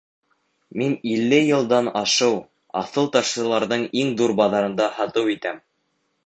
Мин илле йылдан ашыу аҫыл ташсыларҙың иң ҙур баҙарында һатыу итәм.